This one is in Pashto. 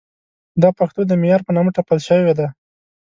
دا پښتو د معیار په نامه ټپل شوې ده.